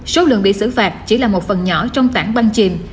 số lượng bị xử phạt chỉ là một phần nhỏ trong tản băng chìm